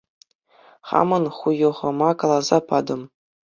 Хамӑн хуйӑхӑма каласа патӑм.